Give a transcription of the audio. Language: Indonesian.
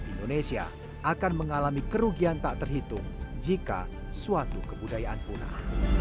indonesia akan mengalami kerugian tak terhitung jika suatu kebudayaan punah